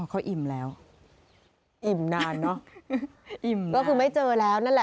อ๋อเขาอิ่มแล้วอิ่มนานเนอะอิ่มนาน